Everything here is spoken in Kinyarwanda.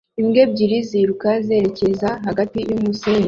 imbwa ebyiri ziruka zerekeza hagati yumusenyi